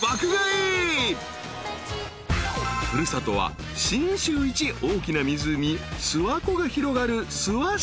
［古里は信州一大きな湖諏訪湖が広がる］